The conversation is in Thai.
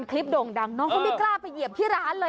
โด่งดังน้องเขาไม่กล้าไปเหยียบที่ร้านเลย